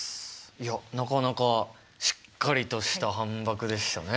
いやなかなかしっかりとした反ばくでしたね。